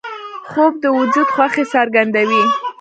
خوب د وجود خوښي څرګندوي